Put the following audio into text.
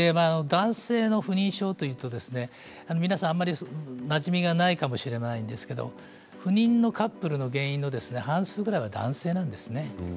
男性の不妊症と言いますと皆さん、なじみがないかもしれないんですけれども赴任のカップルの原因の半数ぐらいは男性なんですね。